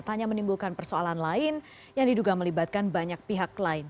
tanya menimbulkan persoalan lain yang diduga melibatkan banyak pihak lain